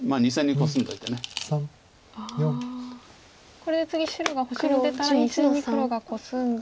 これで次白が星に出たら２線に黒がコスんで。